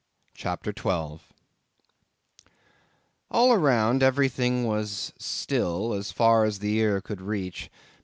."' CHAPTER 12 'All around everything was still as far as the ear could reach.